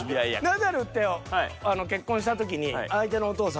ナダルって結婚した時に相手のお父さんは。